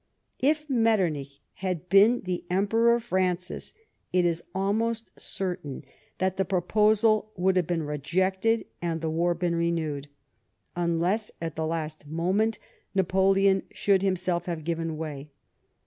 If Metternich had been the Emperor Francis, it i& almost certain that the proposal would have been rejected and the war been renewed, unless, at the last moment, Napoleon should himself have given way.